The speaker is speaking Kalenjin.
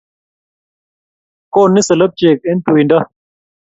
Koni solobchek eng' tuindo